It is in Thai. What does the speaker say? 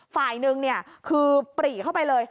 ฝ่ายหนึ่งคือปรีเข้าไปเลย